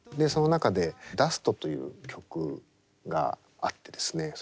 その中で「ダスト」という曲があってですね